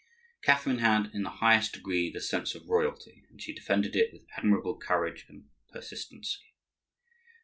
Catherine had, in the highest degree, the sense of royalty, and she defended it with admirable courage and persistency.